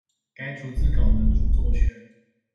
該逐字稿的著作權